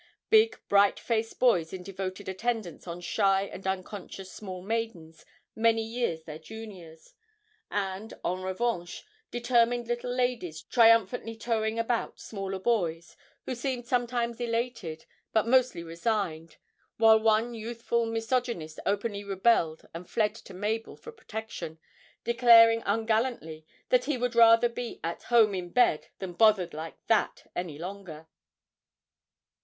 Big bright faced boys in devoted attendance on shy and unconscious small maidens many years their juniors, and, en revanche, determined little ladies triumphantly towing about smaller boys, who seemed sometimes elated, but mostly resigned, while one youthful misogynist openly rebelled and fled to Mabel for protection, declaring ungallantly that he would rather be 'at home in bed than bothered like that any longer.'